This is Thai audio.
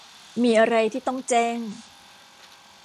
มีอะไรที่ต้องแจ้ง